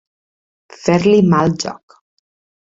Fer-li mal joc.